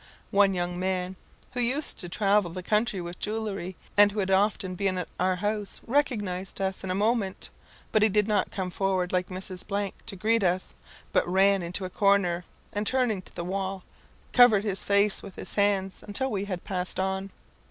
One young man, who used to travel the country with jewellery, and who had often been at our house, recognised us in a moment; but he did not come forward like Mrs. to greet us, but ran into a corner, and, turning to the wall, covered his face with his hands until we had passed on.